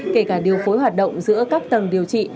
kể cả điều phối hoạt động giữa các tầng điều trị